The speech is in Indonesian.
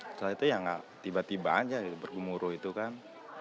setelah itu ya nggak tiba tiba aja bergemuruh itu kan